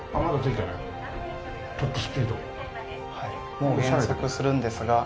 もう減速するんですが。